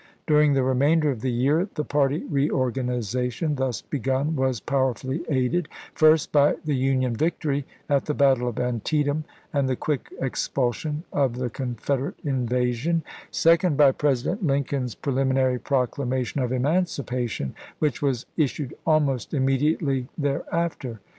During the remainder of the year the party reorganization thus begun was powerfully aided, first, by the Union victory at the battle of Antietam and the quick expulsion of the Confed erate invasion ; second, by President Lincoln's pre liminary proclamation of emancipation, which was issued almost immediately thereafter.